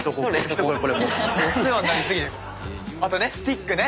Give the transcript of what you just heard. あとねスティックね。